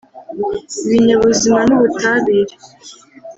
ibinyabuzima n’ubutabire